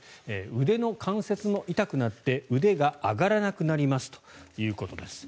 腕の関節も痛くなって腕が上がらなくなりますということです。